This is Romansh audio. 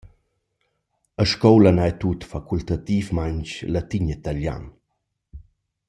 A scoula n’haja tut facultativmaing latin e talian.